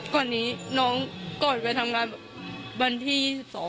ก่อนนี้น้องก่อนไปทำงานวันที่๒๒